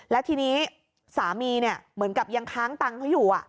แล้วทีนี้สามีเนี่ยเหมือนกับยังค้างตังค์เขาอยู่